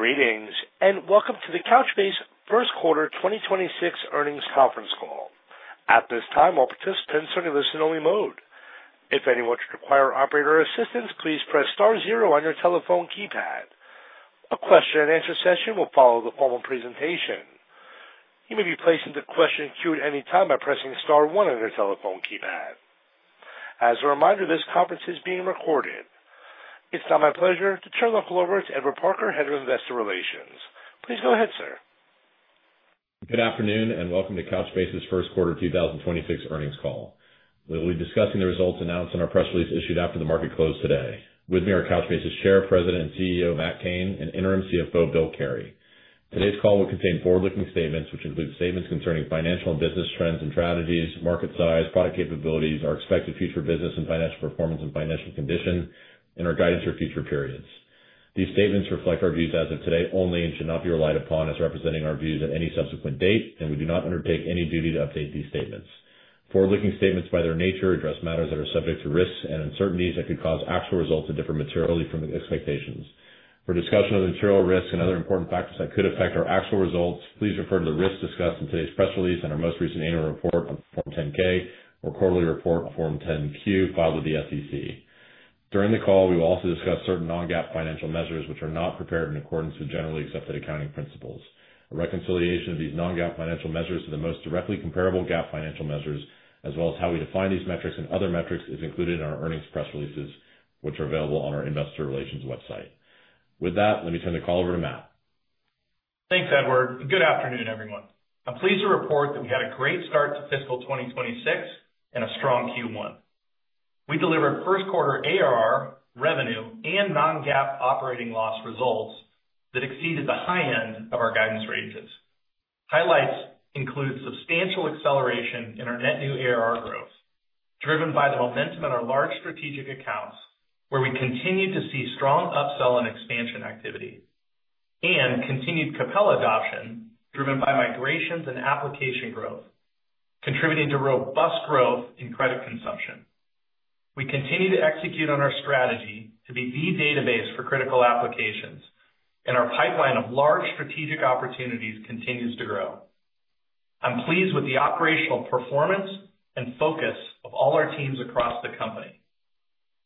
Greetings and welcome to the Couchbase first quarter 2026 earnings conference call. At this time, all participants are in listen-only mode. If anyone should require operator assistance, please press star zero on your telephone keypad. A question-and-answer session will follow the formal presentation. You may be placed into question queue at any time by pressing star one on your telephone keypad. As a reminder, this conference is being recorded. It's now my pleasure to turn the call over to Edward Parker, Head of Investor Relations. Please go ahead, sir. Good afternoon and welcome to Couchbase's first quarter 2026 earnings call. We will be discussing the results announced in our press release issued after the market closed today. With me are Couchbase's Chair, President, and CEO, Matt Cain, and Interim CFO, Bill Carey. Today's call will contain forward-looking statements, which include statements concerning financial and business trends and strategies, market size, product capabilities, our expected future business and financial performance and financial condition, and our guidance for future periods. These statements reflect our views as of today only and should not be relied upon as representing our views at any subsequent date, and we do not undertake any duty to update these statements. Forward-looking statements, by their nature, address matters that are subject to risks and uncertainties that could cause actual results to differ materially from expectations. For discussion of material risks and other important factors that could affect our actual results, please refer to the risks discussed in today's press release and our most recent annual report, Form 10-K, or quarterly report, Form 10-Q, filed with the SEC. During the call, we will also discuss certain non-GAAP financial measures which are not prepared in accordance with generally accepted accounting principles. A reconciliation of these non-GAAP financial measures to the most directly comparable GAAP financial measures, as well as how we define these metrics and other metrics, is included in our earnings press releases, which are available on our Investor Relations website. With that, let me turn the call over to Matt. Thanks, Edward. Good afternoon, everyone. I'm pleased to report that we had a great start to fiscal 2026 and a strong Q1. We delivered first-quarter ARR revenue and non-GAAP operating loss results that exceeded the high end of our guidance ranges. Highlights include substantial acceleration in our net new ARR growth, driven by the momentum in our large strategic accounts, where we continue to see strong upsell and expansion activity, and continued Capella adoption, driven by migrations and application growth, contributing to robust growth in credit consumption. We continue to execute on our strategy to be the database for critical applications, and our pipeline of large strategic opportunities continues to grow. I'm pleased with the operational performance and focus of all our teams across the company.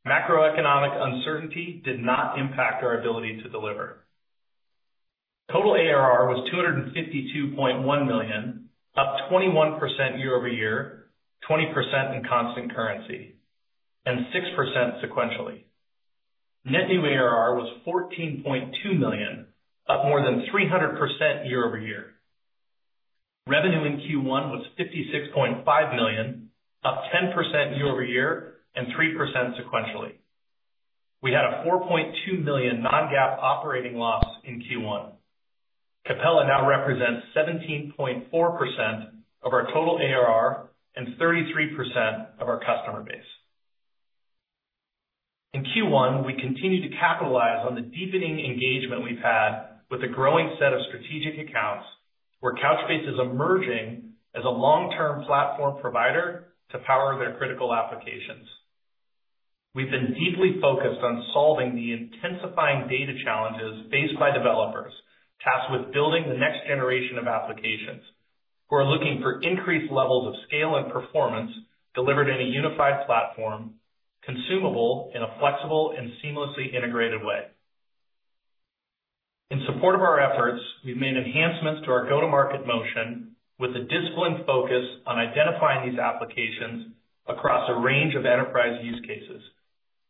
Macroeconomic uncertainty did not impact our ability to deliver. Total ARR was $252.1 million, up 21% year-over-year, 20% in constant currency, and 6% sequentially. Net new ARR was $14.2 million, up more than 300% year-over-year. Revenue in Q1 was $56.5 million, up 10% year-over-year, and 3% sequentially. We had a $4.2 million non-GAAP operating loss in Q1. Capella now represents 17.4% of our total ARR and 33% of our customer base. In Q1, we continue to capitalize on the deepening engagement we've had with a growing set of strategic accounts, where Couchbase is emerging as a long-term platform provider to power their critical applications. We've been deeply focused on solving the intensifying data challenges faced by developers tasked with building the next generation of applications, who are looking for increased levels of scale and performance delivered in a unified platform, consumable in a flexible and seamlessly integrated way. In support of our efforts, we've made enhancements to our go-to-market motion with a disciplined focus on identifying these applications across a range of enterprise use cases,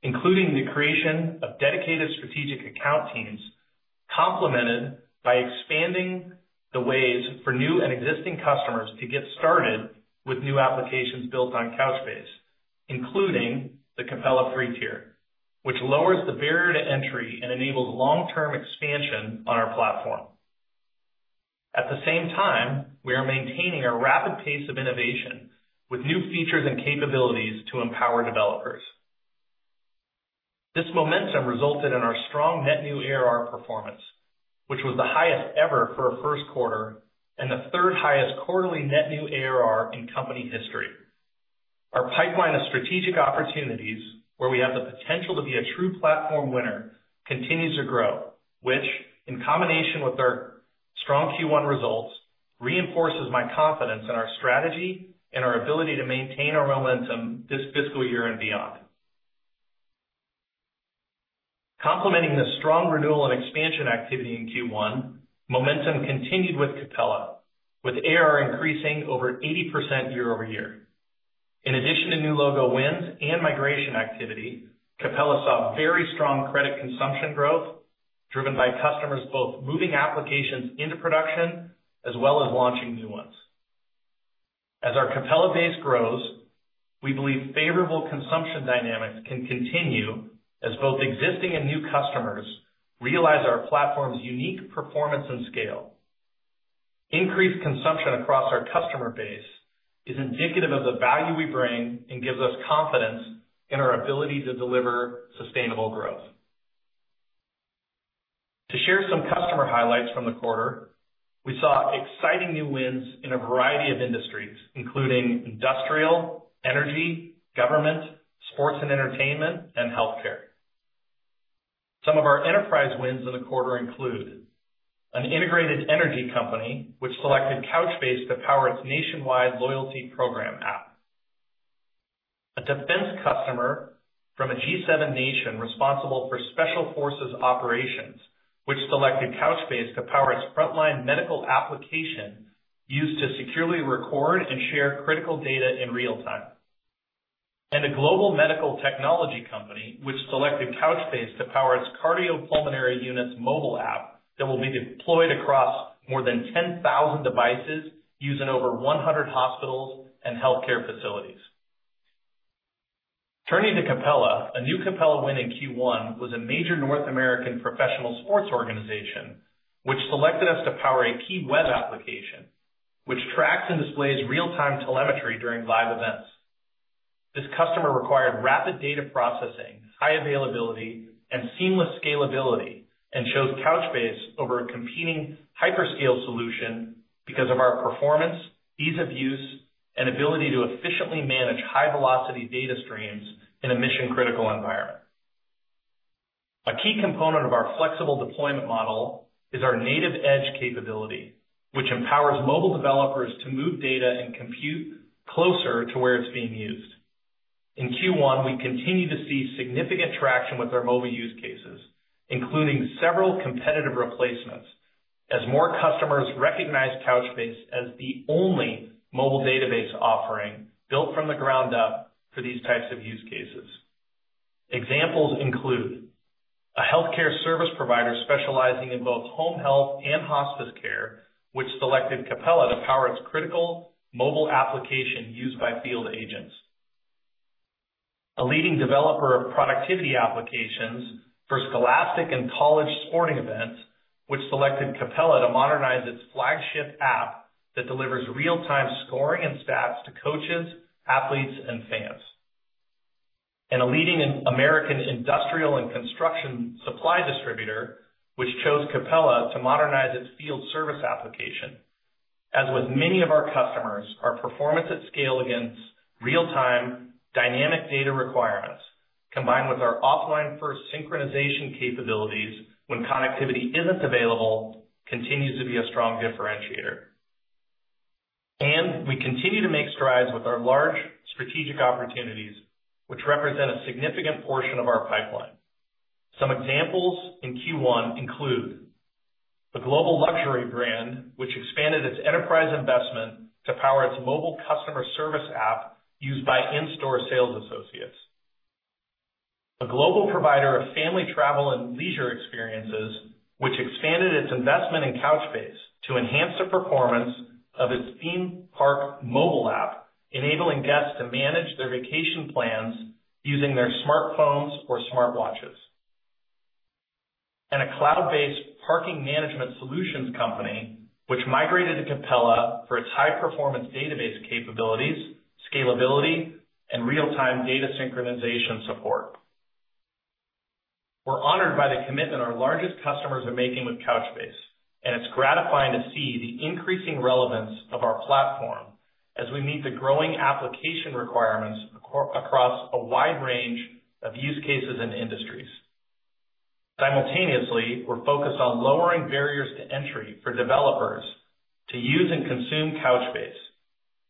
including the creation of dedicated strategic account teams, complemented by expanding the ways for new and existing customers to get started with new applications built on Couchbase, including the Capella Free Tier, which lowers the barrier to entry and enables long-term expansion on our platform. At the same time, we are maintaining a rapid pace of innovation with new features and capabilities to empower developers. This momentum resulted in our strong net new ARR performance, which was the highest ever for a first quarter and the third highest quarterly net new ARR in company history. Our pipeline of strategic opportunities, where we have the potential to be a true platform winner, continues to grow, which, in combination with our strong Q1 results, reinforces my confidence in our strategy and our ability to maintain our momentum this fiscal year and beyond. Complementing the strong renewal and expansion activity in Q1, momentum continued with Capella, with ARR increasing over 80% year-over-year. In addition to new logo wins and migration activity, Capella saw very strong credit consumption growth, driven by customers both moving applications into production as well as launching new ones. As our Capella base grows, we believe favorable consumption dynamics can continue as both existing and new customers realize our platform's unique performance and scale. Increased consumption across our customer base is indicative of the value we bring and gives us confidence in our ability to deliver sustainable growth. To share some customer highlights from the quarter, we saw exciting new wins in a variety of industries, including industrial, energy, government, sports and entertainment, and healthcare. Some of our enterprise wins in the quarter include an integrated energy company which selected Couchbase to power its nationwide loyalty program app, a defense customer from a G7 nation responsible for special forces operations which selected Couchbase to power its frontline medical application used to securely record and share critical data in real time, and a global medical technology company which selected Couchbase to power its cardiopulmonary unit's mobile app that will be deployed across more than 10,000 devices using over 100 hospitals and healthcare facilities. Turning to Capella, a new Capella win in Q1 was a major North American professional sports organization which selected us to power a key web application which tracks and displays real-time telemetry during live events. This customer required rapid data processing, high availability, and seamless scalability and chose Couchbase over a competing hyperscale solution because of our performance, ease of use, and ability to efficiently manage high-velocity data streams in a mission-critical environment. A key component of our flexible deployment model is our native edge capability, which empowers mobile developers to move data and compute closer to where it's being used. In Q1, we continue to see significant traction with our mobile use cases, including several competitive replacements, as more customers recognize Couchbase as the only mobile database offering built from the ground up for these types of use cases. Examples include a healthcare service provider specializing in both home health and hospice care, which selected Capella to power its critical mobile application used by field agents, a leading developer of productivity applications for scholastic and college sporting events, which selected Capella to modernize its flagship app that delivers real-time scoring and stats to coaches, athletes, and fans, and a leading American industrial and construction supply distributor, which chose Capella to modernize its field service application. As with many of our customers, our performance at scale against real-time dynamic data requirements, combined with our offline-first synchronization capabilities when connectivity isn't available, continues to be a strong differentiator. We continue to make strides with our large strategic opportunities, which represent a significant portion of our pipeline. Some examples in Q1 include a global luxury brand, which expanded its enterprise investment to power its mobile customer service app used by in-store sales associates, a global provider of family travel and leisure experiences, which expanded its investment in Couchbase to enhance the performance of its theme park mobile app, enabling guests to manage their vacation plans using their smartphones or smartwatches, and a cloud-based parking management solutions company, which migrated to Capella for its high-performance database capabilities, scalability, and real-time data synchronization support. We're honored by the commitment our largest customers are making with Couchbase, and it's gratifying to see the increasing relevance of our platform as we meet the growing application requirements across a wide range of use cases and industries. Simultaneously, we're focused on lowering barriers to entry for developers to use and consume Couchbase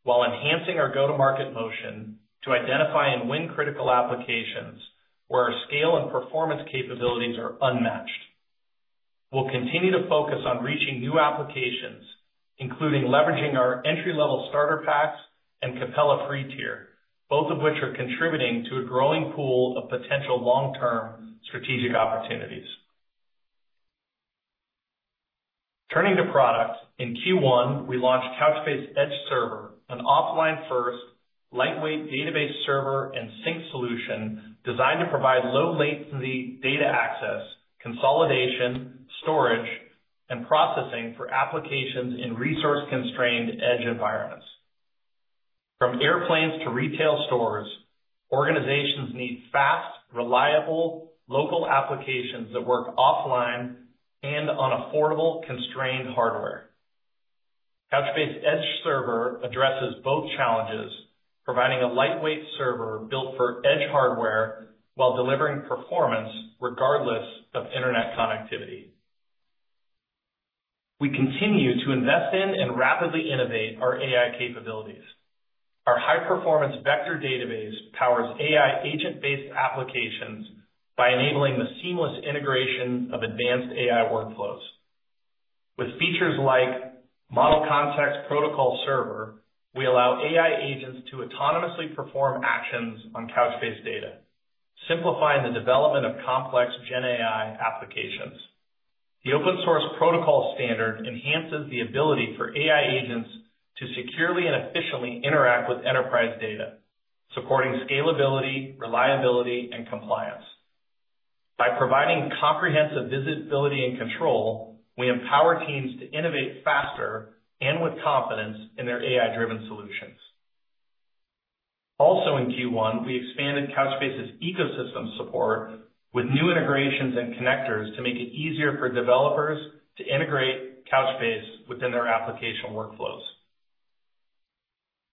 while enhancing our go-to-market motion to identify and win critical applications where our scale and performance capabilities are unmatched. We'll continue to focus on reaching new applications, including leveraging our entry-level starter packs and Capella Free Tier, both of which are contributing to a growing pool of potential long-term strategic opportunities. Turning to product, in Q1, we launched Couchbase Edge Server, an offline-first, lightweight database server and sync solution designed to provide low-latency data access, consolidation, storage, and processing for applications in resource-constrained edge environments. From airplanes to retail stores, organizations need fast, reliable, local applications that work offline and on affordable, constrained hardware. Couchbase Edge Server addresses both challenges, providing a lightweight server built for edge hardware while delivering performance regardless of internet connectivity. We continue to invest in and rapidly innovate our AI capabilities. Our high-performance vector database powers AI agent-based applications by enabling the seamless integration of advanced AI workflows. With features like Model Context Protocol Server, we allow AI agents to autonomously perform actions on Couchbase data, simplifying the development of complex GenAI applications. The open-source protocol standard enhances the ability for AI agents to securely and efficiently interact with enterprise data, supporting scalability, reliability, and compliance. By providing comprehensive visibility and control, we empower teams to innovate faster and with confidence in their AI-driven solutions. Also in Q1, we expanded Couchbase's ecosystem support with new integrations and connectors to make it easier for developers to integrate Couchbase within their application workflows.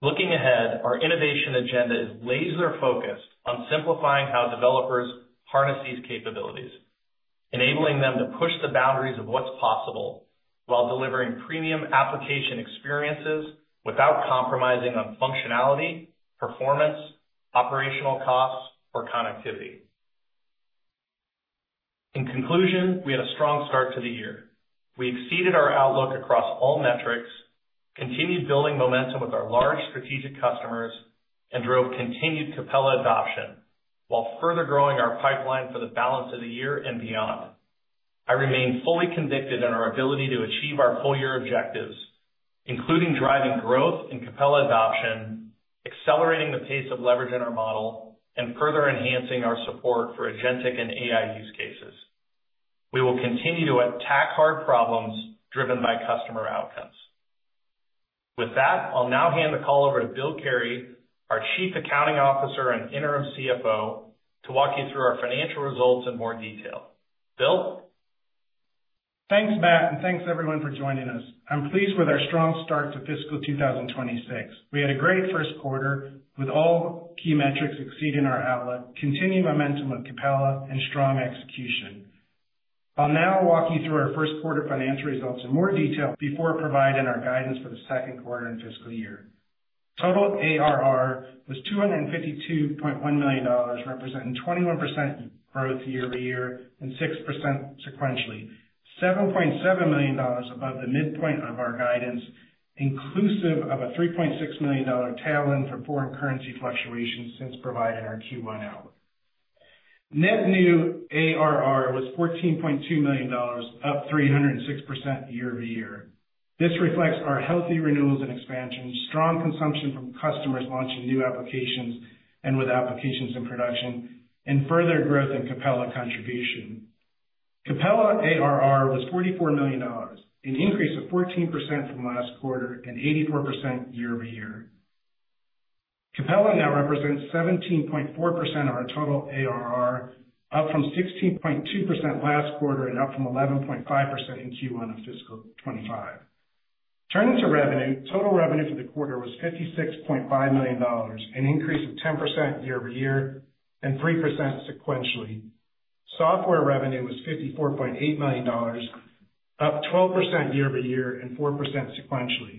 Looking ahead, our innovation agenda is laser-focused on simplifying how developers harness these capabilities, enabling them to push the boundaries of what's possible while delivering premium application experiences without compromising on functionality, performance, operational costs, or connectivity. In conclusion, we had a strong start to the year. We exceeded our outlook across all metrics, continued building momentum with our large strategic customers, and drove continued Capella adoption while further growing our pipeline for the balance of the year and beyond. I remain fully convicted in our ability to achieve our full-year objectives, including driving growth in Capella adoption, accelerating the pace of leveraging our model, and further enhancing our support for agentic and AI use cases. We will continue to attack hard problems driven by customer outcomes. With that, I'll now hand the call over to Bill Carey, our Chief Accounting Officer and Interim CFO, to walk you through our financial results in more detail. Bill? Thanks, Matt, and thanks everyone for joining us. I'm pleased with our strong start to fiscal 2026. We had a great first quarter with all key metrics exceeding our outlook, continued momentum with Capella, and strong execution. I'll now walk you through our first quarter financial results in more detail before providing our guidance for the second quarter and fiscal year. Total ARR was $252.1 million, representing 21% growth year-to-year and 6% sequentially, $7.7 million above the midpoint of our guidance, inclusive of a $3.6 million tail-end for foreign currency fluctuations since providing our Q1 outlook. Net new ARR was $14.2 million, up 306% year-to-year. This reflects our healthy renewals and expansion, strong consumption from customers launching new applications and with applications in production, and further growth in Capella contribution. Capella ARR was $44 million, an increase of 14% from last quarter and 84% year-to-year. Capella now represents 17.4% of our total ARR, up from 16.2% last quarter and up from 11.5% in Q1 of fiscal 2025. Turning to revenue, total revenue for the quarter was $56.5 million, an increase of 10% year-to-year and 3% sequentially. Software revenue was $54.8 million, up 12% year-to-year and 4% sequentially.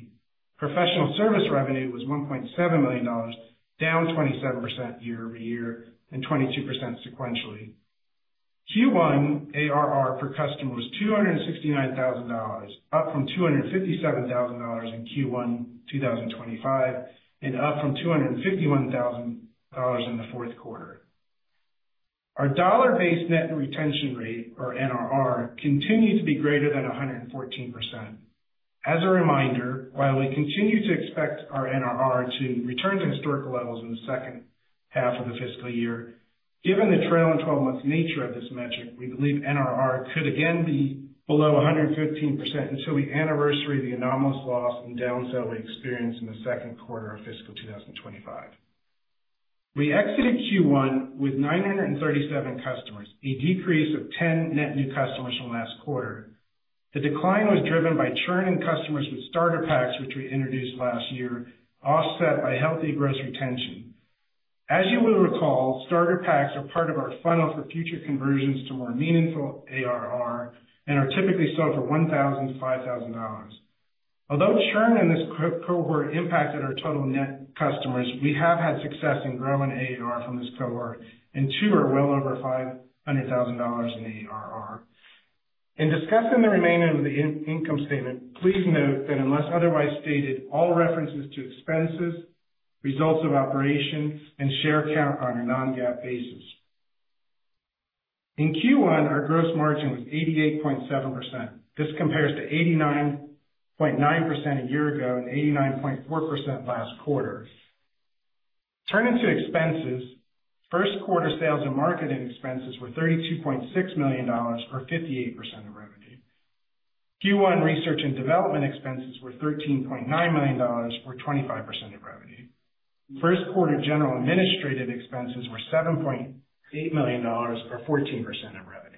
Professional service revenue was $1.7 million, down 27% year-to-year and 22% sequentially. Q1 ARR per customer was $269,000, up from $257,000 in Q1 2025 and up from $251,000 in the fourth quarter. Our dollar-based net retention rate, or NRR, continued to be greater than 114%. As a reminder, while we continue to expect our NRR to return to historical levels in the second half of the fiscal year, given the trailing 12 months nature of this metric, we believe NRR could again be below 115% until we anniversary the anomalous loss and downside we experienced in the second quarter of fiscal 2025. We exited Q1 with 937 customers, a decrease of 10 net new customers from last quarter. The decline was driven by churn in customers with starter packs, which we introduced last year, offset by healthy gross retention. As you will recall, starter packs are part of our funnel for future conversions to more meaningful ARR and are typically sold for $1,000-$5,000. Although churn in this cohort impacted our total net customers, we have had success in growing ARR from this cohort, and two are well over $500,000 in ARR. In discussing the remainder of the income statement, please note that unless otherwise stated, all references to expenses, results of operations, and share count are on a non-GAAP basis. In Q1, our gross margin was 88.7%. This compares to 89.9% a year ago and 89.4% last quarter. Turning to expenses, first quarter sales and marketing expenses were $32.6 million, or 58% of revenue. Q1 research and development expenses were $13.9 million, or 25% of revenue. First quarter general administrative expenses were $7.8 million, or 14% of revenue.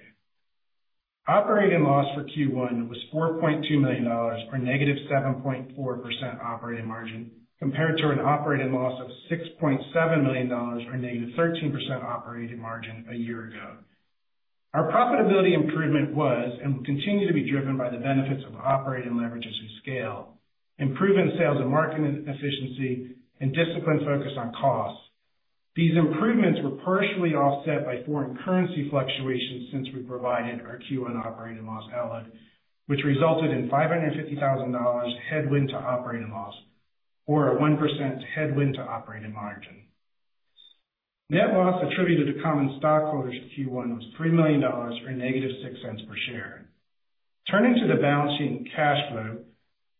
Operating loss for Q1 was $4.2 million, or -7.4% operating margin, compared to an operating loss of $6.7 million, or -13% operating margin a year ago. Our profitability improvement was and will continue to be driven by the benefits of operating leverage as we scale, improving sales and marketing efficiency, and discipline focused on costs. These improvements were partially offset by foreign currency fluctuations since we provided our Q1 operating loss outlook, which resulted in a $550,000 headwind to operating loss, or a 1% headwind to operating margin. Net loss attributed to common stockholders in Q1 was $3 million, or -$0.06 per share. Turning to the balance sheet and cash flow,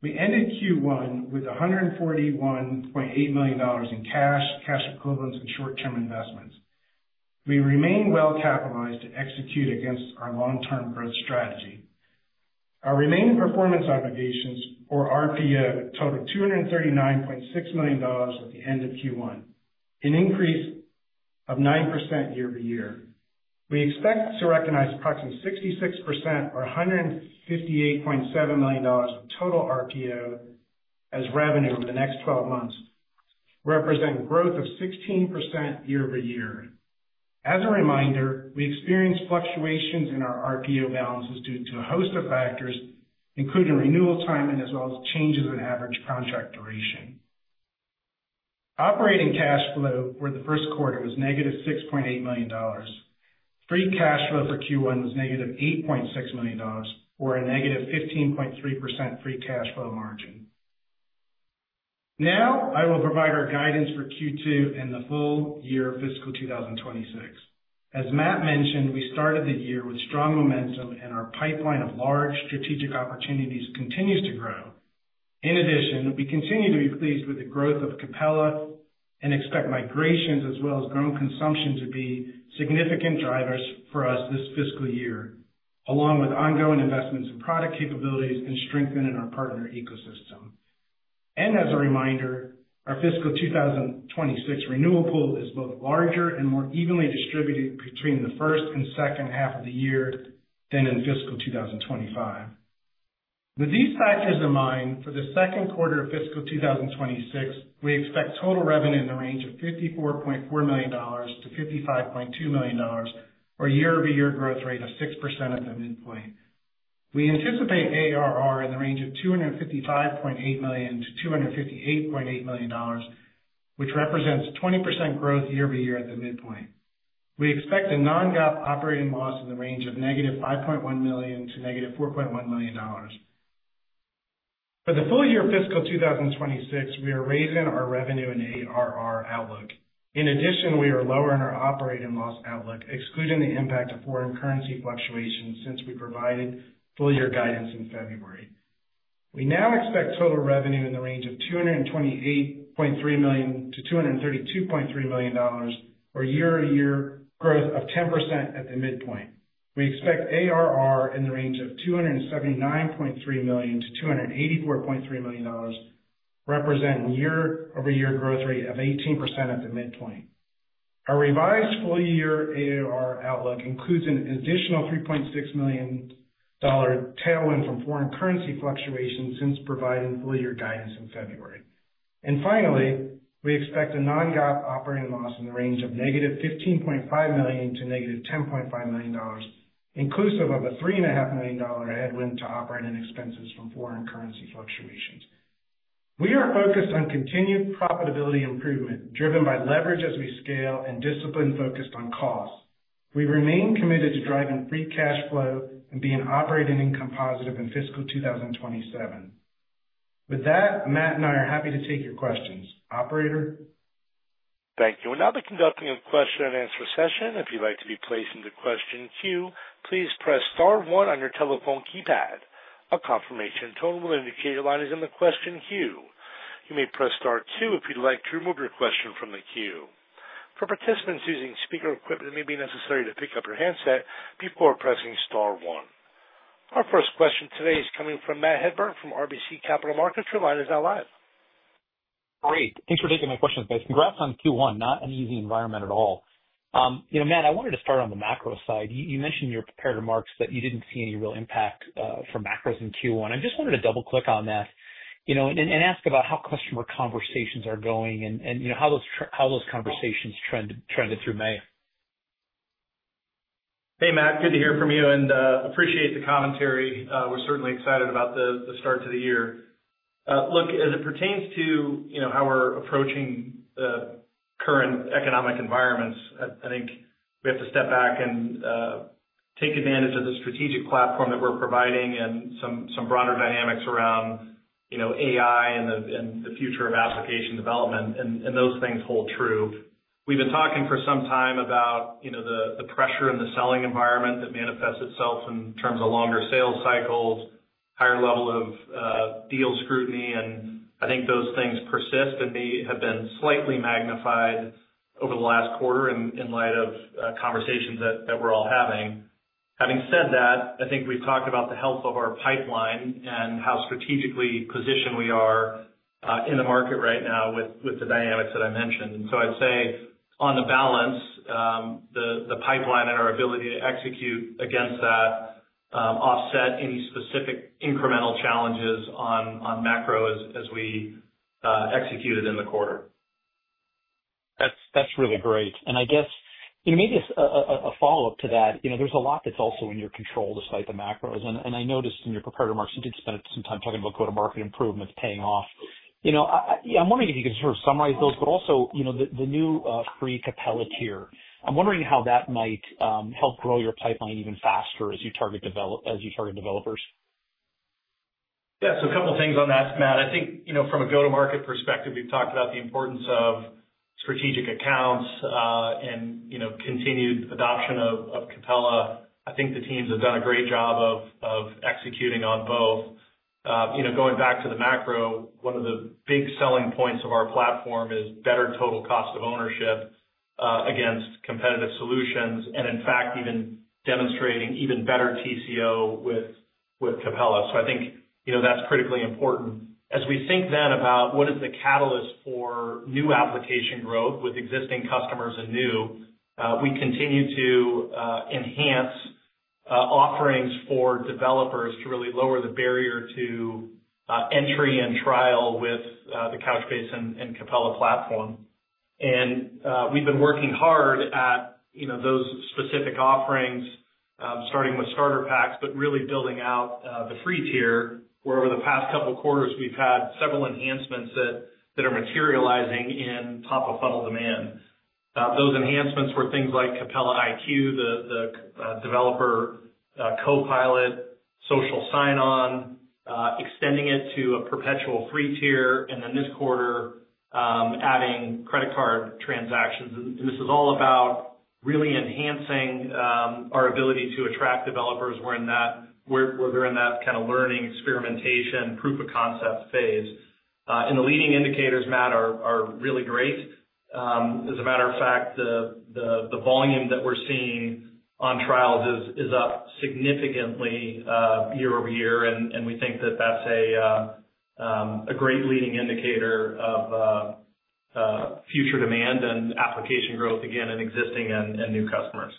we ended Q1 with $141.8 million in cash, cash equivalents, and short-term investments. We remain well-capitalized to execute against our long-term growth strategy. Our remaining performance obligations, or RPO, totaled $239.6 million at the end of Q1, an increase of 9% year-to-year. We expect to recognize approximately 66%, or $158.7 million, of total RPO as revenue over the next 12 months, representing growth of 16% year-to-year. As a reminder, we experienced fluctuations in our RPO balances due to a host of factors, including renewal timing as well as changes in average contract duration. Operating cash flow for the first quarter was -$6.8 million. Free cash flow for Q1 was -$8.6 million, or a -15.3% free cash flow margin. Now, I will provide our guidance for Q2 and the full year of fiscal 2026. As Matt mentioned, we started the year with strong momentum, and our pipeline of large strategic opportunities continues to grow. In addition, we continue to be pleased with the growth of Capella and expect migrations as well as growing consumption to be significant drivers for us this fiscal year, along with ongoing investments in product capabilities and strengthening our partner ecosystem. As a reminder, our fiscal 2026 renewal pool is both larger and more evenly distributed between the first and second half of the year than in fiscal 2025. With these factors in mind, for the second quarter of fiscal 2026, we expect total revenue in the range of $54.4 million-$55.2 million, or year-to-year growth rate of 6% at the midpoint. We anticipate ARR in the range of $255.8 million-$258.8 million, which represents 20% growth year-to-year at the midpoint. We expect a non-GAAP operating loss in the range of -$5.1 million--$4.1 million. For the full year of fiscal 2026, we are raising our revenue and ARR outlook. In addition, we are lowering our operating loss outlook, excluding the impact of foreign currency fluctuations since we provided full-year guidance in February. We now expect total revenue in the range of $228.3 million-$232.3 million, or year-to-year growth of 10% at the midpoint. We expect ARR in the range of $279.3 million-$284.3 million, representing year-over-year growth rate of 18% at the midpoint. Our revised full-year ARR outlook includes an additional $3.6 million tailwind from foreign currency fluctuations since providing full-year guidance in February. Finally, we expect a non-GAAP operating loss in the range of -$15.5 million--$10.5 million, inclusive of a $3.5 million headwind to operating expenses from foreign currency fluctuations. We are focused on continued profitability improvement driven by leverage as we scale and discipline focused on costs. We remain committed to driving free cash flow and being operating income positive in fiscal 2027. With that, Matt and I are happy to take your questions. Operator? Thank you. Now conducting a question-and-answer session. If you'd like to be placed into question queue, please press star one on your telephone keypad. A confirmation tone will indicate your line is in the question queue. You may press star two if you'd like to remove your question from the queue. For participants using speaker equipment, it may be necessary to pick up your handset before pressing star one. Our first question today is coming from Matt Hedberg from RBC Capital Markets. Your line is now live. Great. Thanks for taking my questions, guys. Congrats on Q1. Not an easy environment at all. Matt, I wanted to start on the macro side. You mentioned in your comparative marks that you didn't see any real impact from macros in Q1. I just wanted to double-click on that and ask about how customer conversations are going and how those conversations trended through May. Hey, Matt. Good to hear from you and appreciate the commentary. We're certainly excited about the start to the year. Look, as it pertains to how we're approaching the current economic environments, I think we have to step back and take advantage of the strategic platform that we're providing and some broader dynamics around AI and the future of application development, and those things hold true. We've been talking for some time about the pressure in the selling environment that manifests itself in terms of longer sales cycles, higher level of deal scrutiny, and I think those things persist and have been slightly magnified over the last quarter in light of conversations that we're all having. Having said that, I think we've talked about the health of our pipeline and how strategically positioned we are in the market right now with the dynamics that I mentioned. I'd say, on the balance, the pipeline and our ability to execute against that offset any specific incremental challenges on macro as we executed in the quarter. That's really great. I guess maybe a follow-up to that, there's a lot that's also in your control despite the macros. I noticed in your preparatory marks, you did spend some time talking about go-to-market improvements paying off. I'm wondering if you could sort of summarize those, but also the new free Capella tier. I'm wondering how that might help grow your pipeline even faster as you target developers. Yeah. A couple of things on that, Matt. I think from a go-to-market perspective, we've talked about the importance of strategic accounts and continued adoption of Capella. I think the teams have done a great job of executing on both. Going back to the macro, one of the big selling points of our platform is better total cost of ownership against competitive solutions and, in fact, even demonstrating even better TCO with Capella. I think that's critically important. As we think then about what is the catalyst for new application growth with existing customers and new, we continue to enhance offerings for developers to really lower the barrier to entry and trial with the Couchbase and Capella platform. We've been working hard at those specific offerings, starting with starter packs, but really building out the free tier, where over the past couple of quarters, we've had several enhancements that are materializing in top-of-funnel demand. Those enhancements were things like Capella iQ, the developer copilot, social sign-on, extending it to a perpetual free tier, and this quarter, adding credit card transactions. This is all about really enhancing our ability to attract developers where they're in that kind of learning, experimentation, proof-of-concept phase. The leading indicators, Matt, are really great. As a matter of fact, the volume that we're seeing on trials is up significantly year-over-year, and we think that that's a great leading indicator of future demand and application growth, again, in existing and new customers.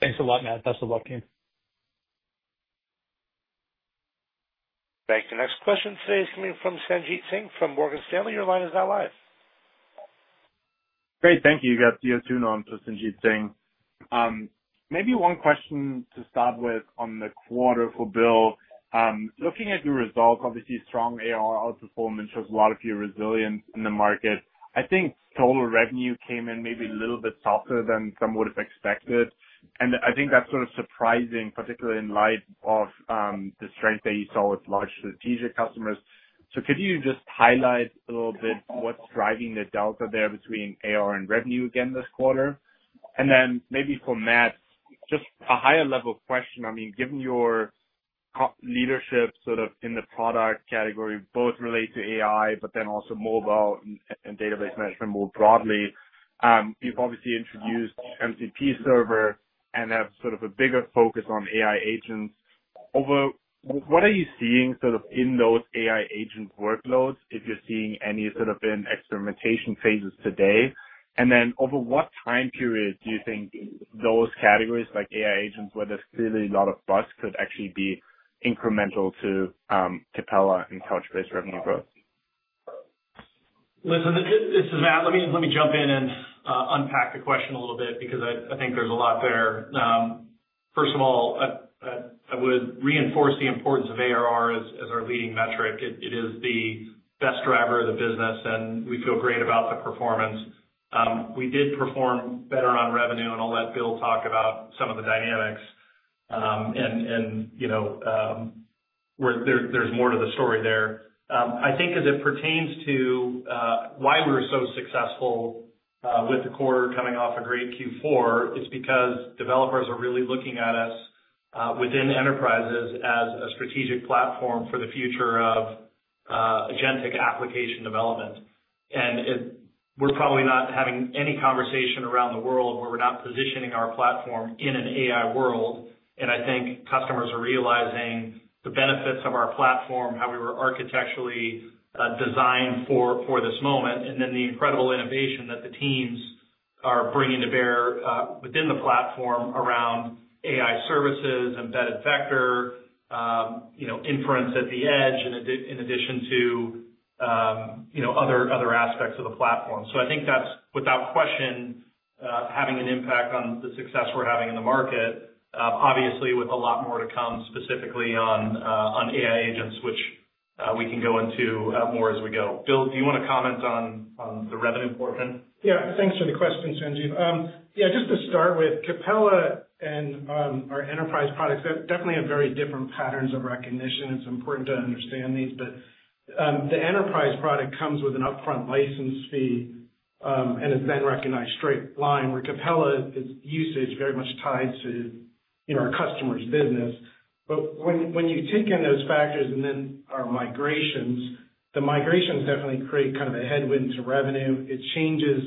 Thanks a lot, Matt. Best of luck, team. Thanks. The next question today is coming from Sanjit Singh from Morgan Stanley. Your line is now live. Great. Thank you. You got [DO2] known to Sanjit Singh. Maybe one question to start with on the quarter for Bill. Looking at your results, obviously, strong ARR performance shows a lot of your resilience in the market. I think total revenue came in maybe a little bit softer than some would have expected. I think that's sort of surprising, particularly in light of the strength that you saw with large strategic customers. Could you just highlight a little bit what's driving the delta there between ARR and revenue again this quarter? Maybe for Matt, just a higher-level question. I mean, given your leadership sort of in the product category, both related to AI, but then also mobile and database management more broadly, you've obviously introduced MCP Server and have sort of a bigger focus on AI agents. What are you seeing sort of in those AI agent workloads, if you're seeing any sort of in experimentation phases today? Over what time period do you think those categories like AI agents, where there's clearly a lot of buzz, could actually be incremental to Capella and Couchbase revenue growth? Listen, this is Matt. Let me jump in and unpack the question a little bit because I think there's a lot there. First of all, I would reinforce the importance of ARR as our leading metric. It is the best driver of the business, and we feel great about the performance. We did perform better on revenue, and I'll let Bill talk about some of the dynamics, and there's more to the story there. I think as it pertains to why we were so successful with the quarter coming off a great Q4, it's because developers are really looking at us within enterprises as a strategic platform for the future of agentic application development. We're probably not having any conversation around the world where we're not positioning our platform in an AI world. I think customers are realizing the benefits of our platform, how we were architecturally designed for this moment, and then the incredible innovation that the teams are bringing to bear within the platform around AI services, embedded vector, inference at the edge, in addition to other aspects of the platform. I think that is, without question, having an impact on the success we are having in the market, obviously with a lot more to come, specifically on AI agents, which we can go into more as we go. Bill, do you want to comment on the revenue portion? Yeah. Thanks for the question, Sanjit. Yeah, just to start with, Capella and our enterprise products have definitely very different patterns of recognition. It is important to understand these. The enterprise product comes with an upfront license fee and is then recognized straight line, where Capella's usage is very much tied to our customer's business. When you take in those factors and then our migrations, the migrations definitely create kind of a headwind to revenue. It changes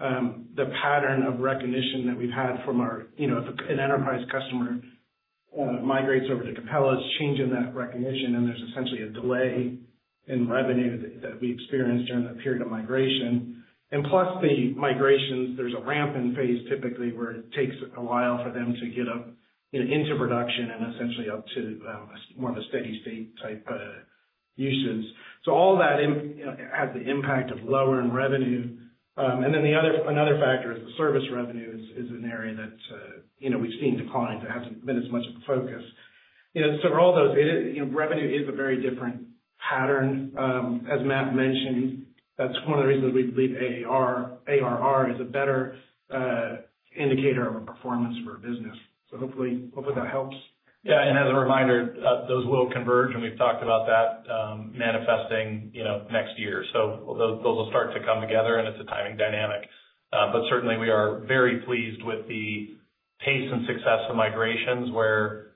the pattern of recognition that we've had from our, if an enterprise customer migrates over to Capella, it's changing that recognition, and there's essentially a delay in revenue that we experience during the period of migration. Plus the migrations, there's a ramp-in phase typically where it takes a while for them to get up into production and essentially up to more of a steady-state type usage. All that has the impact of lowering revenue. Another factor is the service revenue is an area that we've seen decline. It hasn't been as much of a focus. For all those, revenue is a very different pattern. As Matt mentioned, that's one of the reasons we believe ARR is a better indicator of performance for a business. Hopefully that helps. Yeah. As a reminder, those will converge, and we've talked about that manifesting next year. Those will start to come together, and it's a timing dynamic. Certainly, we are very pleased with the pace and success of migrations where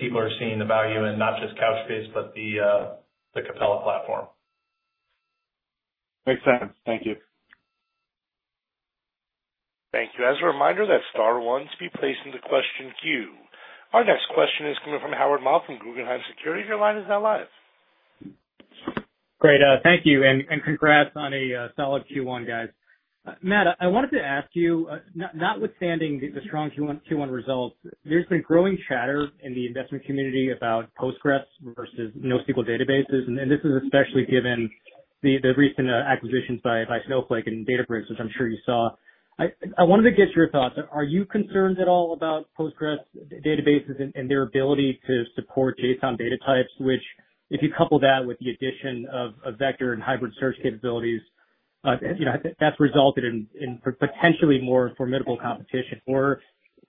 people are seeing the value in not just Couchbase, but the Capella platform. Makes sense. Thank you. Thank you. As a reminder, that star one should be placed into question queue. Our next question is coming from Howard Ma from Guggenheim Securities. Your line is now live. Great. Thank you. Congrats on a solid Q1, guys. Matt, I wanted to ask you, notwithstanding the strong Q1 results, there's been growing chatter in the investment community about Postgres versus NoSQL databases. This is especially given the recent acquisitions by Snowflake and Databricks, which I'm sure you saw. I wanted to get your thoughts. Are you concerned at all about Postgres databases and their ability to support JSON data types, which, if you couple that with the addition of vector and hybrid search capabilities, that's resulted in potentially more formidable competition?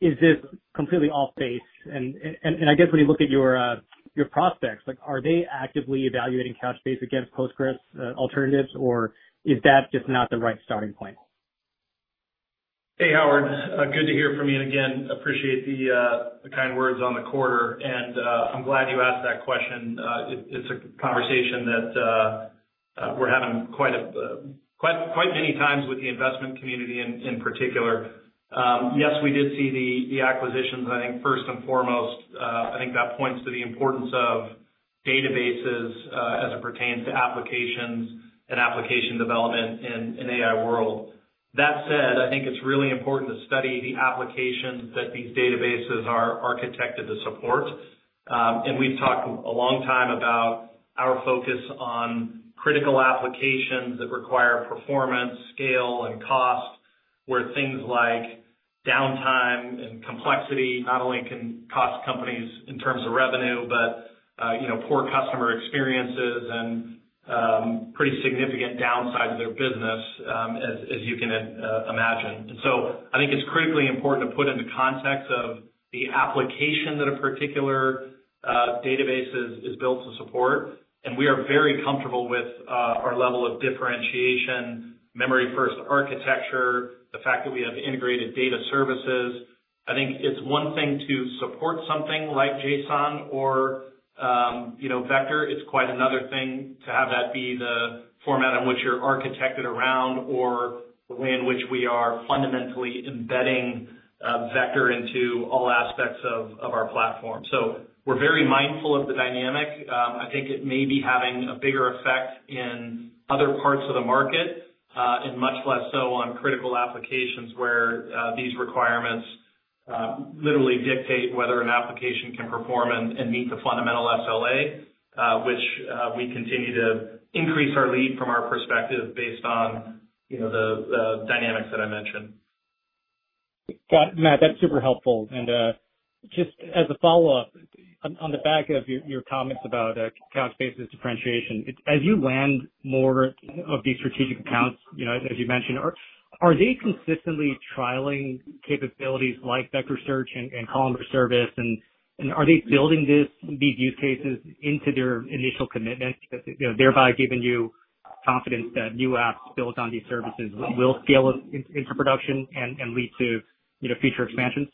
Is this completely off base? I guess when you look at your prospects, are they actively evaluating Couchbase against Postgres alternatives, or is that just not the right starting point? Hey, Howard. Good to hear from you. Again, appreciate the kind words on the quarter. I'm glad you asked that question. It's a conversation that we're having quite many times with the investment community in particular. Yes, we did see the acquisitions, I think, first and foremost. I think that points to the importance of databases as it pertains to applications and application development in an AI world. That said, I think it's really important to study the applications that these databases are architected to support. We've talked a long time about our focus on critical applications that require performance, scale, and cost, where things like downtime and complexity not only can cost companies in terms of revenue, but poor customer experiences and pretty significant downside to their business, as you can imagine. I think it's critically important to put into context of the application that a particular database is built to support. We are very comfortable with our level of differentiation, memory-first architecture, the fact that we have integrated data services. I think it's one thing to support something like JSON or vector. It's quite another thing to have that be the format in which you're architected around or the way in which we are fundamentally embedding vector into all aspects of our platform. We are very mindful of the dynamic. I think it may be having a bigger effect in other parts of the market and much less so on critical applications where these requirements literally dictate whether an application can perform and meet the fundamental SLA, which we continue to increase our lead from our perspective based on the dynamics that I mentioned. Got it. Matt, that's super helpful. Just as a follow-up, on the back of your comments about Couchbase's differentiation, as you land more of these strategic accounts, as you mentioned, are they consistently trialing capabilities like vector search and column-based service? Are they building these use cases into their initial commitment, thereby giving you confidence that new apps built on these services will scale into production and lead to future expansions?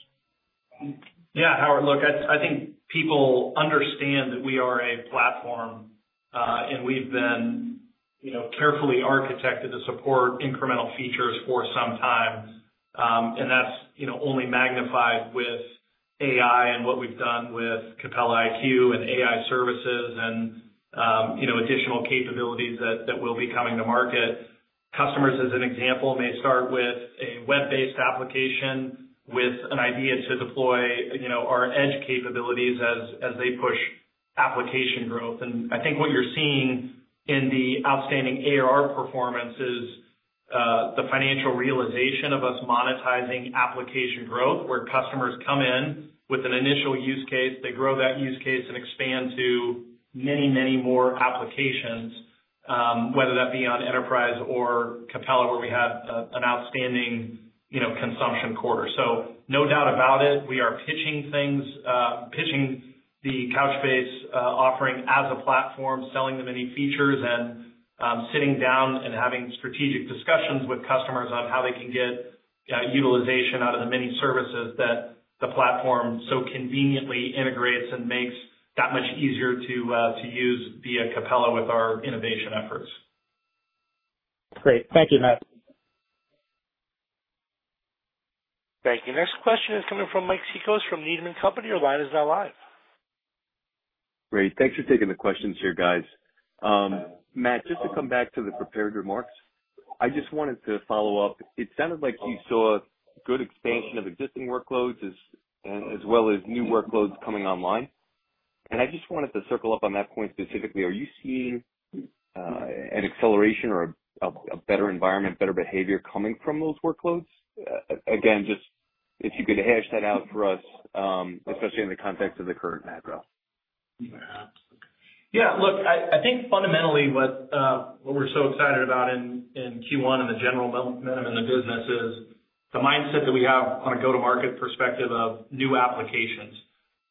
Yeah. Howard, look, I think people understand that we are a platform, and we've been carefully architected to support incremental features for some time. That is only magnified with AI and what we've done with Capella iQ and AI services and additional capabilities that will be coming to market. Customers, as an example, may start with a web-based application with an idea to deploy our edge capabilities as they push application growth. I think what you're seeing in the outstanding ARR performance is the financial realization of us monetizing application growth, where customers come in with an initial use case, they grow that use case, and expand to many, many more applications, whether that be on enterprise or Capella, where we have an outstanding consumption quarter. No doubt about it, we are pitching the Couchbase offering as a platform, selling the many features, and sitting down and having strategic discussions with customers on how they can get utilization out of the many services that the platform so conveniently integrates and makes that much easier to use via Capella with our innovation efforts. Great. Thank you, Matt. Thank you. Next question is coming from Mike Cikos from Needham & Company. Your line is now live. Great. Thanks for taking the questions here, guys. Matt, just to come back to the prepared remarks, I just wanted to follow up. It sounded like you saw good expansion of existing workloads as well as new workloads coming online. I just wanted to circle up on that point specifically. Are you seeing an acceleration or a better environment, better behavior coming from those workloads? Again, just if you could hash that out for us, especially in the context of the current background. Yeah. Look, I think fundamentally what we're so excited about in Q1 and the general momentum in the business is the mindset that we have on a go-to-market perspective of new applications.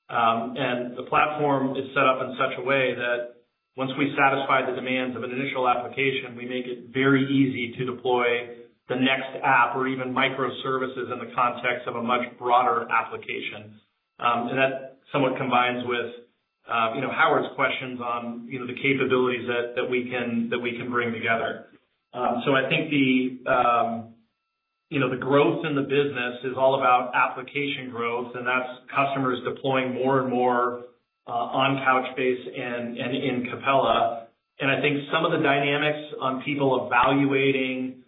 The platform is set up in such a way that once we satisfy the demands of an initial application, we make it very easy to deploy the next app or even microservices in the context of a much broader application. That somewhat combines with Howard's questions on the capabilities that we can bring together. I think the growth in the business is all about application growth, and that's customers deploying more and more on Couchbase and in Capella. I think some of the dynamics on people evaluating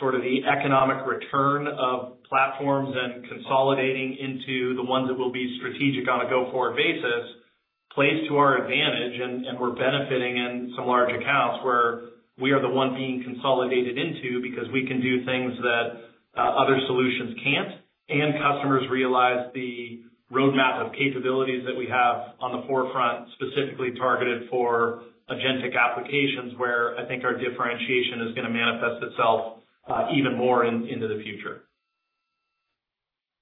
sort of the economic return of platforms and consolidating into the ones that will be strategic on a go-forward basis plays to our advantage. We're benefiting in some large accounts where we are the one being consolidated into because we can do things that other solutions can't. Customers realize the roadmap of capabilities that we have on the forefront, specifically targeted for agentic applications, where I think our differentiation is going to manifest itself even more into the future.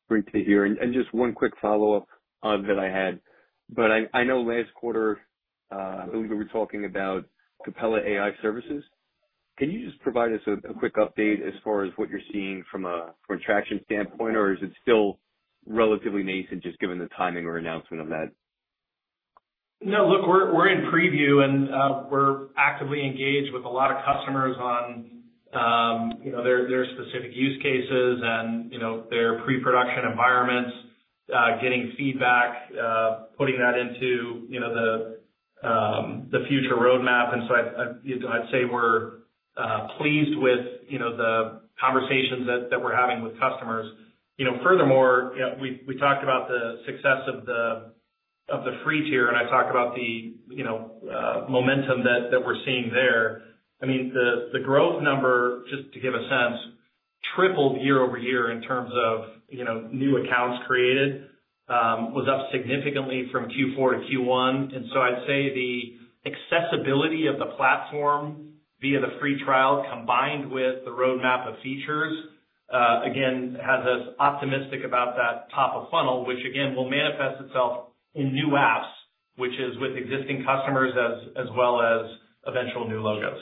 Great to hear. Just one quick follow-up that I had. I know last quarter, I believe we were talking about Capella AI Services. Can you just provide us a quick update as far as what you're seeing from a traction standpoint, or is it still relatively nascent just given the timing or announcement of that? No, look, we're in preview, and we're actively engaged with a lot of customers on their specific use cases and their pre-production environments, getting feedback, putting that into the future roadmap. I'd say we're pleased with the conversations that we're having with customers. Furthermore, we talked about the success of the Free Tier, and I talked about the momentum that we're seeing there. I mean, the growth number, just to give a sense, tripled year-over-year in terms of new accounts created, was up significantly from Q4 to Q1. I'd say the accessibility of the platform via the free trial combined with the roadmap of features, again, has us optimistic about that top of funnel, which, again, will manifest itself in new apps, which is with existing customers as well as eventual new logos.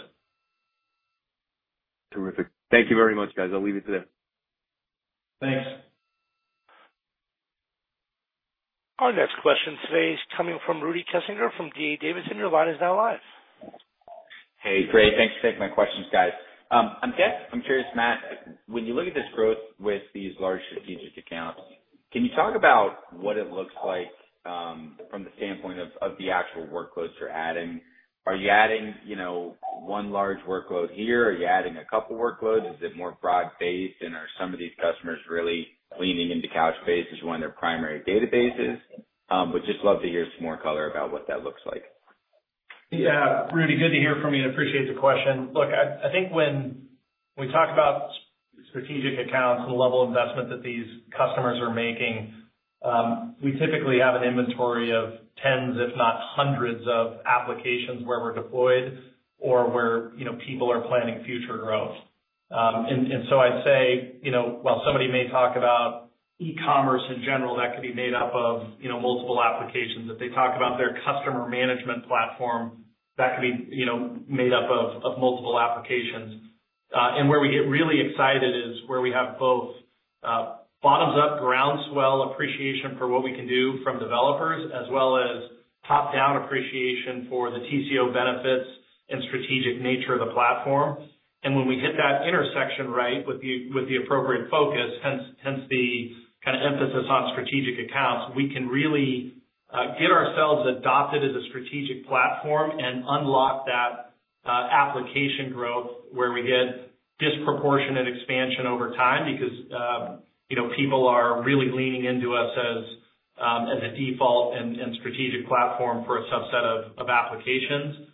Terrific. Thank you very much, guys. I'll leave it there. Thanks. Our next question today is coming from Rudy Kessinger from D.A. Davidson. Your line is now live. Hey, great. Thanks for taking my questions, guys. I'm curious, Matt, when you look at this growth with these large strategic accounts, can you talk about what it looks like from the standpoint of the actual workloads you're adding? Are you adding one large workload here? Are you adding a couple of workloads? Is it more broad-based? And are some of these customers really leaning into Couchbase as one of their primary databases? Just love to hear some more color about what that looks like. Yeah. Rudy, good to hear from you. I appreciate the question. Look, I think when we talk about strategic accounts and the level of investment that these customers are making, we typically have an inventory of tens, if not hundreds, of applications where we're deployed or where people are planning future growth. I'd say, while somebody may talk about e-commerce in general that could be made up of multiple applications, if they talk about their customer management platform, that could be made up of multiple applications. Where we get really excited is where we have both bottoms-up, groundswell appreciation for what we can do from developers, as well as top-down appreciation for the TCO benefits and strategic nature of the platform. When we hit that intersection right with the appropriate focus, hence the kind of emphasis on strategic accounts, we can really get ourselves adopted as a strategic platform and unlock that application growth where we get disproportionate expansion over time because people are really leaning into us as a default and strategic platform for a subset of applications.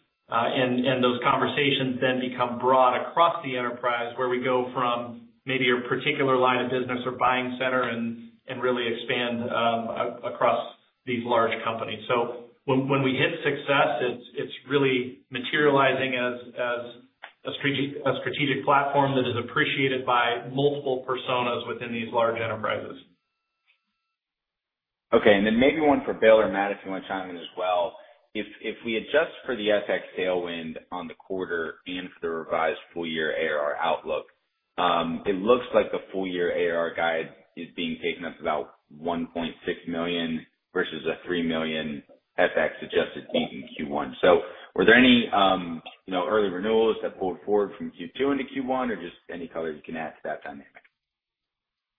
Those conversations then become broad across the enterprise where we go from maybe a particular line of business or buying center and really expand across these large companies. When we hit success, it is really materializing as a strategic platform that is appreciated by multiple personas within these large enterprises. Okay. Maybe one for Bill or Matt, if you want to chime in as well. If we adjust for the FX tailwind on the quarter and for the revised full-year ARR outlook, it looks like the full-year ARR guide is being taken up about $1.6 million versus a $3 million FX adjusted beat in Q1. Were there any early renewals that pulled forward from Q2 into Q1, or just any color you can add to that dynamic?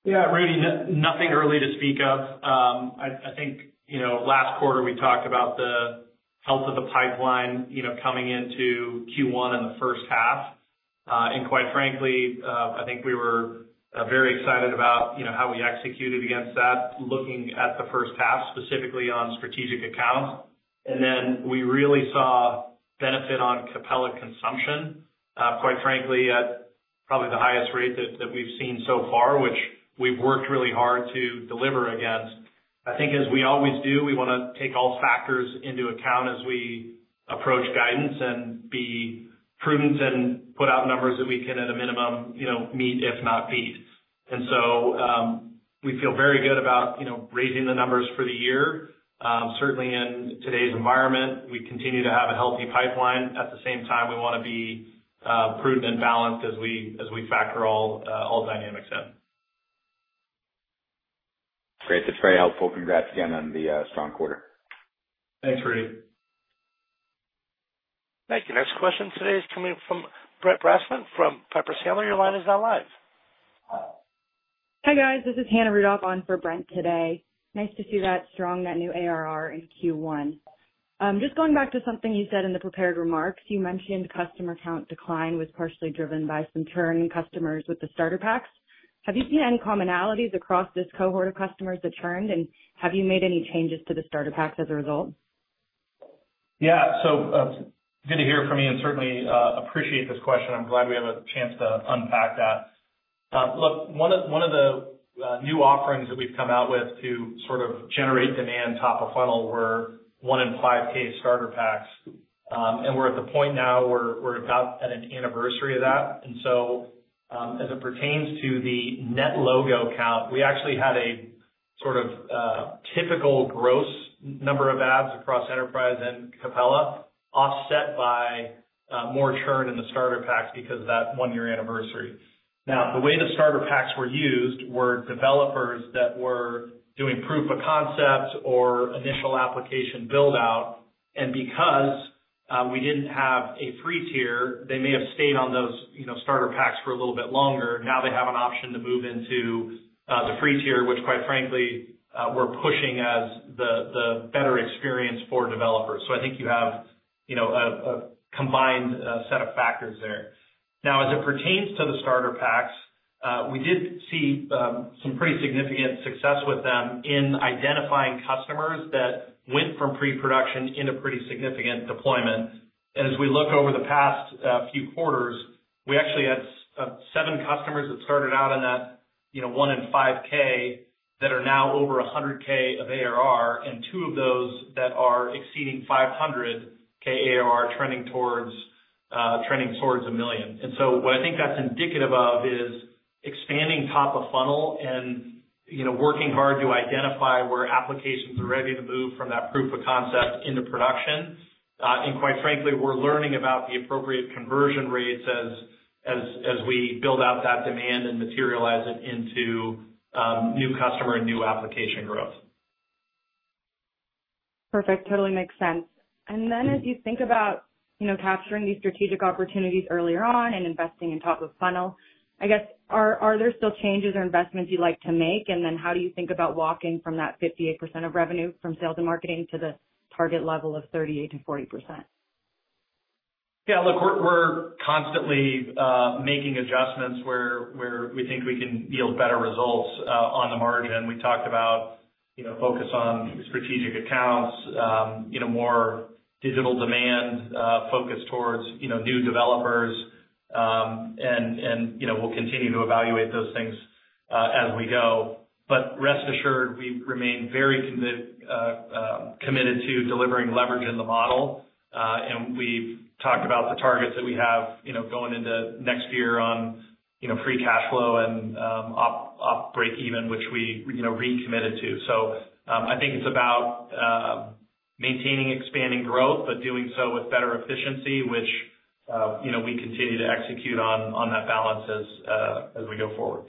Yeah, Rudy, nothing early to speak of. I think last quarter we talked about the health of the pipeline coming into Q1 in the first half. Quite frankly, I think we were very excited about how we executed against that, looking at the first half, specifically on strategic accounts. We really saw benefit on Capella consumption, quite frankly, at probably the highest rate that we've seen so far, which we've worked really hard to deliver against. I think, as we always do, we want to take all factors into account as we approach guidance and be prudent and put out numbers that we can, at a minimum, meet, if not beat. We feel very good about raising the numbers for the year. Certainly, in today's environment, we continue to have a healthy pipeline. At the same time, we want to be prudent and balanced as we factor all dynamics in. Great. That's very helpful. Congrats again on the strong quarter. Thanks, Rudy. Thank you. Next question today is coming from Brent Bracelin from Piper Sandler. Your line is now live. Hi, guys. This is Hannah Rudoff on for Brent today. Nice to see that strong, that new ARR in Q1. Just going back to something you said in the prepared remarks, you mentioned customer count decline was partially driven by some churn in customers with the starter packs. Have you seen any commonalities across this cohort of customers that churned, and have you made any changes to the starter packs as a result? Yeah. So good to hear from you and certainly appreciate this question. I'm glad we have a chance to unpack that. Look, one of the new offerings that we've come out with to sort of generate demand top of funnel were one-in-five case starter packs. And we're at the point now where we're about at an anniversary of that. As it pertains to the net logo count, we actually had a sort of typical gross number of ads across enterprise and Capella offset by more churn in the starter packs because of that one-year anniversary. Now, the way the starter packs were used were developers that were doing proof of concept or initial application build-out. Because we did not have a free tier, they may have stayed on those starter packs for a little bit longer. Now they have an option to move into the free tier, which, quite frankly, we are pushing as the better experience for developers. I think you have a combined set of factors there. As it pertains to the starter packs, we did see some pretty significant success with them in identifying customers that went from pre-production into pretty significant deployment. As we look over the past few quarters, we actually had seven customers that started out in that $1,000-$5,000 that are now over $100,000 of ARR, and two of those that are exceeding $500,000 ARR, trending towards a million. What I think that's indicative of is expanding top of funnel and working hard to identify where applications are ready to move from that proof of concept into production. Quite frankly, we're learning about the appropriate conversion rates as we build out that demand and materialize it into new customer and new application growth. Perfect. Totally makes sense. As you think about capturing these strategic opportunities earlier on and investing in top of funnel, I guess, are there still changes or investments you'd like to make? How do you think about walking from that 58% of revenue from sales and marketing to the target level of 38%-40%? Yeah. Look, we're constantly making adjustments where we think we can yield better results on the margin. We talked about focus on strategic accounts, more digital demand focused towards new developers. We will continue to evaluate those things as we go. Rest assured, we remain very committed to delivering leverage in the model. We have talked about the targets that we have going into next year on free cash flow and upbreak even, which we recommitted to. I think it is about maintaining expanding growth, but doing so with better efficiency, which we continue to execute on that balance as we go forward.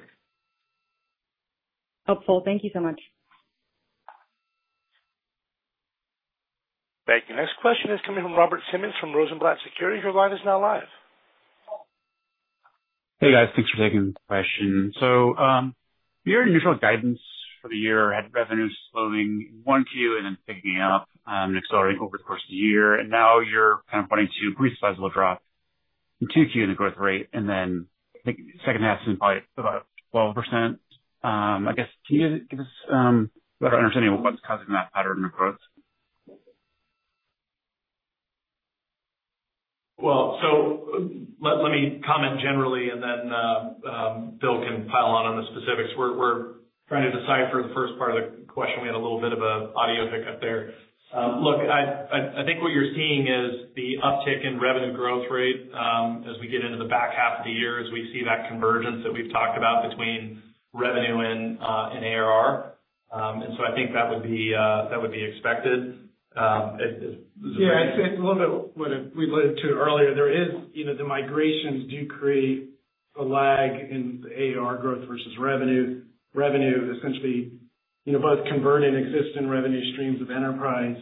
Helpful. Thank you so much. Thank you. Next question is coming from Robert Simmons from Rosenblatt Securities. Your line is now live. Hey, guys. Thanks for taking the question. Your initial guidance for the year had revenues slowing in 1Q and then picking up and accelerating over the course of the year. Now you're kind of wanting to briefly see a little drop in 2Q in the growth rate, and then second half seems probably about 12%. I guess, can you give us a better understanding of what's causing that pattern of growth? Let me comment generally, and then Bill can pile on on the specifics. We're trying to decipher the first part of the question. We had a little bit of an audio hiccup there. Look, I think what you're seeing is the uptick in revenue growth rate as we get into the back half of the year, as we see that convergence that we've talked about between revenue and ARR. I think that would be expected. Yeah. It's a little bit what we alluded to earlier. The migrations do create a lag in ARR growth versus revenue. Revenue, essentially, both converting existing revenue streams of enterprise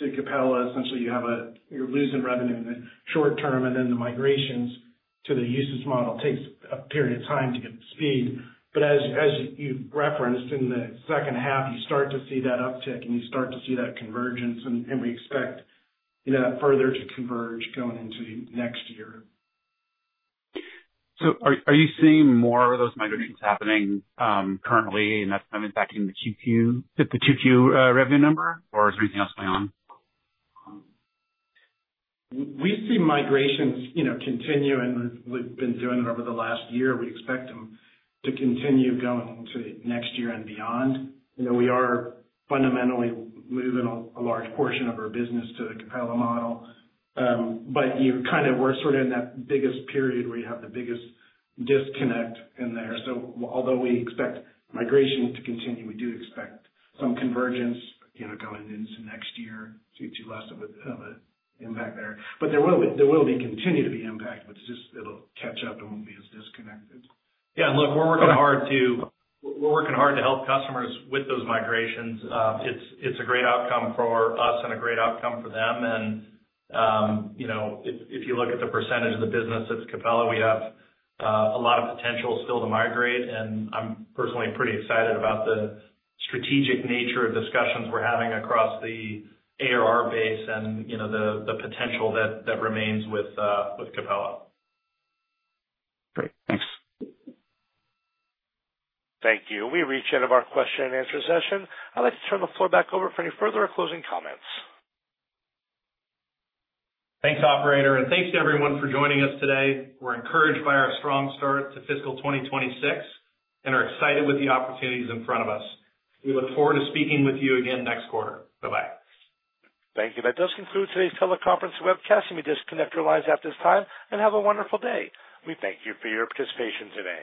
to Capella, essentially, you're losing revenue in the short term. The migrations to the usage model take a period of time to get the speed. As you referenced, in the second half, you start to see that uptick, and you start to see that convergence. We expect that further to converge going into next year. Are you seeing more of those migrations happening currently, and that's kind of impacting the 2Q revenue number, or is there anything else going on? We see migrations continue, and we've been doing it over the last year. We expect them to continue going into next year and beyond. We are fundamentally moving a large portion of our business to the Capella model. We're sort of in that biggest period where you have the biggest disconnect in there. Although we expect migration to continue, we do expect some convergence going into next year to see less of an impact there. There will continue to be impact, but it will catch up and will not be as disconnected. Yeah. Look, we are working hard to help customers with those migrations. It is a great outcome for us and a great outcome for them. If you look at the percentage of the business that is Capella, we have a lot of potential still to migrate. I am personally pretty excited about the strategic nature of discussions we are having across the ARR base and the potential that remains with Capella. Great. Thanks. Thank you. We reached the end of our question and answer session. I would like to turn the floor back over for any further or closing comments. Thanks, operator. Thanks to everyone for joining us today. We're encouraged by our strong start to fiscal 2026 and are excited with the opportunities in front of us. We look forward to speaking with you again next quarter. Bye-bye. Thank you. That does conclude today's teleconference webcast. We disconnect your lines at this time and have a wonderful day. We thank you for your participation today.